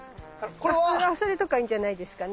これは？それとかいいんじゃないですかね。